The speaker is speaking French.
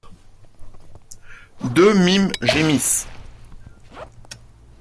Deux mimes gémissent.